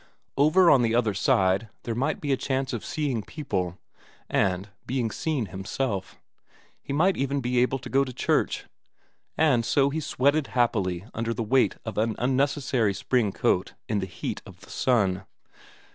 Over on the other side there might be a chance of seeing people, and being seen himself; he might even be able to go to church. And so he sweated happily under the weight of an unnecessary spring coat in the heat of the sun.